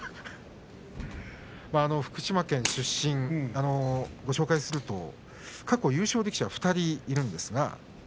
福島県出身、ご紹介すると過去優勝力士が２人いるんです。